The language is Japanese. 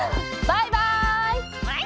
バイバイ！